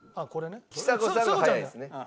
ちさ子さんが早いですね。